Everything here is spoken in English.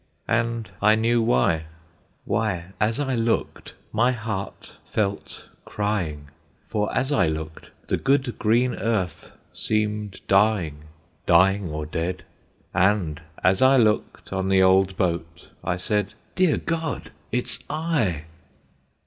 And I knew why Why, as I looked, my heart felt crying. For, as I looked, the good green earth seemed dying Dying or dead; And, as I looked on the old boat, I said: "_Dear God, it's I!